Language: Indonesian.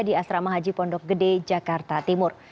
di asrama haji pondok gede jakarta timur